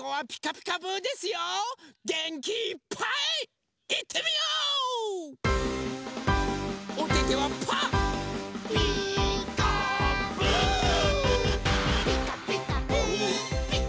「ピカピカブ！ピカピカブ！」